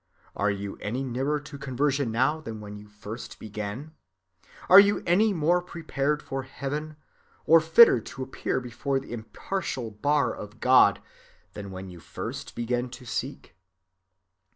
Are you any nearer to conversion now than when you first began? Are you any more prepared for heaven, or fitter to appear before the impartial bar of God, than when you first began to seek?